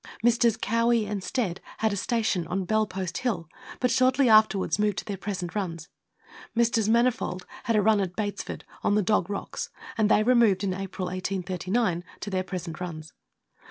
Messrs. Cowie and Stead had a station on Bell Post Hill, but shortly afterwards moved to their present runs. Messrs. Manifold had a run at Batesford, on the Dog Rocks, and they removed in April 1839, to their present runs.